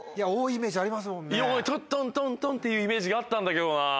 トントントントンっていうイメージがあったんだけどな。